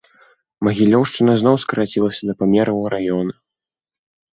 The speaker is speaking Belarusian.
Магілёўшчына зноў скарацілася да памераў раёна.